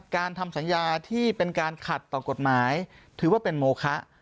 การทำสัญญาที่เป็นการขัดต่อกฎหมายถือว่าเป็นโมคะ